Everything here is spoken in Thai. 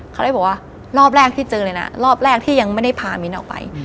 เขาเลยบอกว่ารอบแรกที่เจอเลยนะรอบแรกที่ยังไม่ได้พามิ้นออกไป